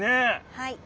はい。